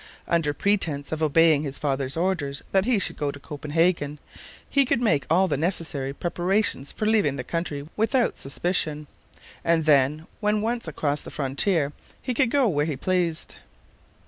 Under pretense of obeying his father's orders that he should go to Copenhagen, he could make all the necessary preparations for leaving the country without suspicion, and then, when once across the frontier, he could go where he pleased.